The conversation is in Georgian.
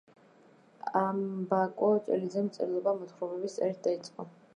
ამბაკო ჭელიძემ მწერლობა მოთხრობების წერით დაიწყო.